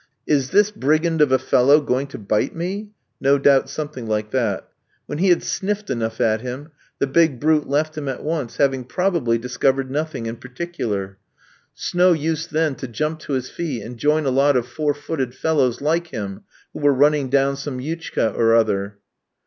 "Is this brigand of a fellow going to bite me?" no doubt something like that. When he had sniffed enough at him, the big brute left him at once, having probably discovered nothing in particular. Snow used then to jump to his feet, and join a lot of four footed fellows like him who were running down some yutchka or other.